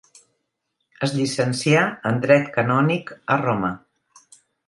Es llicencià en dret canònic a Roma.